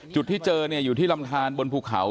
จุดที่เจออยู่ที่ลำทานบนภูเขา